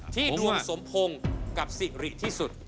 ที่ดวงสมโภงกับสิริที่สุด